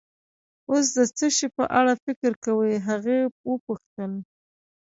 اوس د څه شي په اړه فکر کوې؟ هغې وپوښتل.